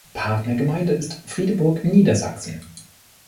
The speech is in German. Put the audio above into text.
Partnergemeinde ist Friedeburg in Niedersachsen.